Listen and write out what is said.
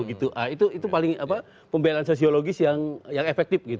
itu paling pembelaan sosiologis yang efektif